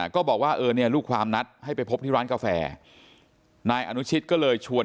ก็บอกว่าเออเนี่ยลูกความนัดให้ไปพบที่ร้านกาแฟนายอนุชิตก็เลยชวน